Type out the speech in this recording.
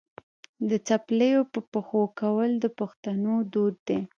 د څپلیو په پښو کول د پښتنو دود دی.